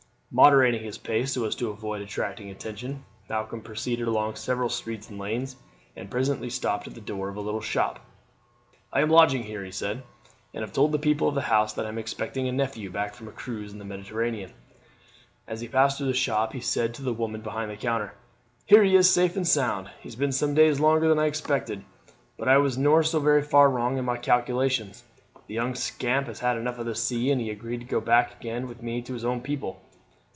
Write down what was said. Moderating his pace so as to avoid attracting attention, Malcolm proceeded along several streets and lanes, and presently stopped at the door of a little shop. "I am lodging here," he said, "and have told the people of the house that I am expecting a nephew back from a cruise in the Mediterranean." As he passed through the shop he said to the woman behind the counter: "Here he is safe and sound. He's been some days longer than I expected, but I was nor so very far wrong in my calculations. The young scamp has had enough of the sea, and has agreed to go back again with me to his own people."